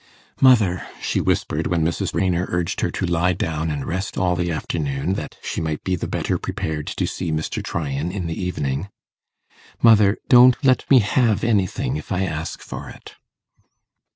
'Mother,' she whispered, when Mrs. Raynor urged her to lie down and rest all the afternoon, that she might be the better prepared to see Mr. Tryan in the evening 'mother, don't let me have anything if I ask for it.